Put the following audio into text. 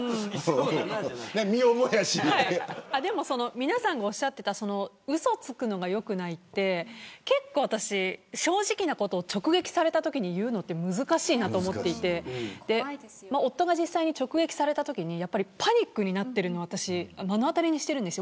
皆さんがおっしゃっていたうそつくのが良くないって正直なことを直撃されたときに言うのは難しいと思っていて夫が直撃されたときにパニックになっているのを目の当たりにしてるんです。